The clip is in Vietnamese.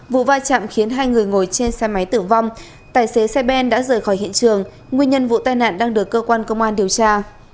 vụ va chạm khiến hai người ngồi trên xe máy tử vong tài xế xe ben đã rời khỏi hiện trường nguyên nhân vụ tai nạn đang được cơ quan công an điều tra